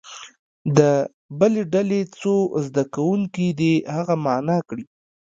د بلې ډلې څو زده کوونکي دې هغه معنا کړي.